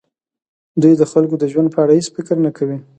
دوی د خلکو د ژوند په اړه بېڅ فکر نه کوي.